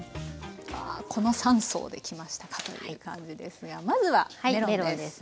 わあこの３層できましたかという感じですがまずはメロンです。